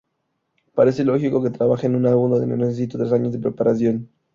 Parece lógico que trabaje en un álbum donde no necesito tres años de preparación.